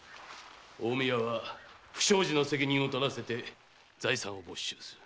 近江屋は不祥事の責任をとらせ財産を没収する。